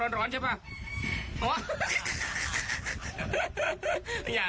คุณผู้ชมเอ็นดูท่านอ่ะ